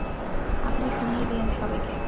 আপনি শুনিয়ে দিয়েন সবাইকে!